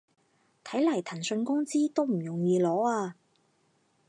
睇來騰訊工資都唔容易攞啊